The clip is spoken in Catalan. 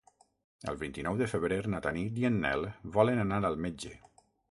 El vint-i-nou de febrer na Tanit i en Nel volen anar al metge.